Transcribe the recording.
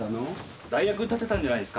代役立てたんじゃないですか。